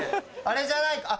あれじゃない？